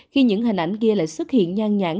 khi những hình ảnh kia lại xuất hiện nhang nhãn